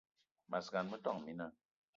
Mas gan, metόn mina